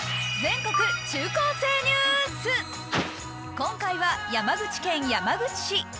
今回は山口県山口市。